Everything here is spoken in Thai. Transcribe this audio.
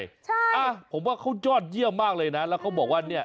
ใช่อ่ะผมว่าเขายอดเยี่ยมมากเลยนะแล้วเขาบอกว่าเนี่ย